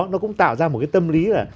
nó cũng tạo ra một cái tâm lý là